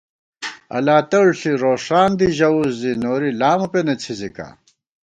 الاتڑ ݪی رو ݭان دی ژَوُس زی نوری لامہ پېنہ څھِزِکا